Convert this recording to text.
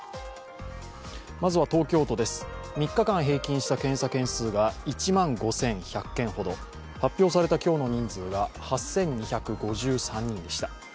まずは東京都です、３日間平均した検査件数は１万５１００件ほど、発表された今日の人数が８２５３人でした。